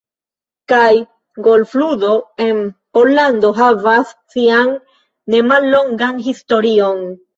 Kaj golfludo en Pollando havas sian nemallongan historion.